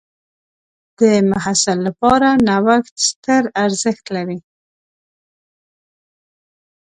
د محصل لپاره نوښت ستر ارزښت لري.